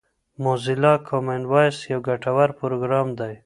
موزیلا کامن وایس یو ګټور پروګرام دی.